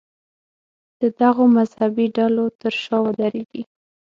د دغو مذهبي ډلو تر شا ودرېږي.